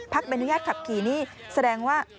ใบอนุญาตขับขี่นี่แสดงว่า